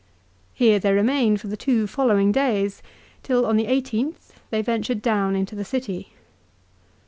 Here they remained for the two following days, till on the 18th they ventured down into the city.